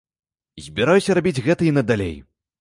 Збіраюся рабіць гэта і надалей.